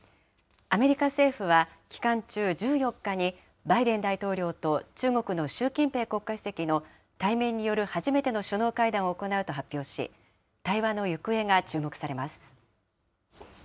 アメリカ政府は期間中、１４日に、バイデン大統領と中国の習近平国家主席の対面による初めての首脳会談を行うと発表し、対話の行方が注目されます。